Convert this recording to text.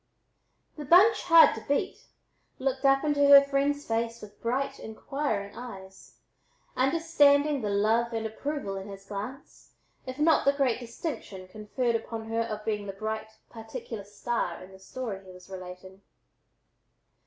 The "bunch hard to beat" looked up into her friend's face with bright, inquiring eyes, understanding the love and approval in his glance if not the great distinction conferred upon her of being the bright, particular star in the story he was relating.